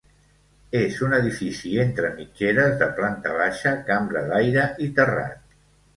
És un edifici entre mitgeres, de planta baixa, cambra d'aire i terrat.